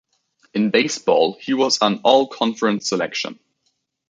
In baseball, he was an All-Conference selection.